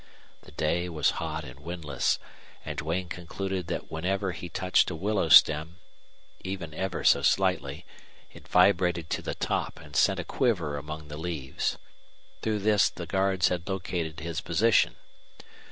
The day was hot and windless, and Duane concluded that whenever he touched a willow stem, even ever so slightly, it vibrated to the top and sent a quiver among the leaves. Through this the guards had located his position.